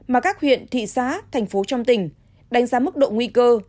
mà các huyện thị xã thành phố trong tỉnh đánh giá mức độ nguy cơ